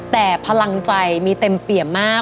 แต่พลังใจมีเต็มเปี่ยมมาก